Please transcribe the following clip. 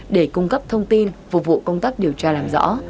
để cung cấp thông tin phục vụ công tác điều tra làm rõ